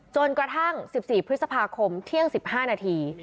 จนกระทั่ง๑๔พฤษภาคมเที่ยง๑๕นาที